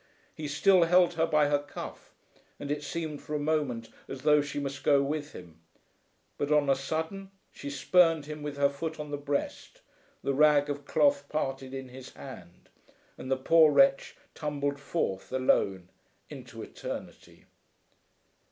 He still held her by her cuff and it seemed for a moment as though she must go with him. But, on a sudden, she spurned him with her foot on the breast, the rag of cloth parted in his hand, and the poor wretch tumbled forth alone into eternity.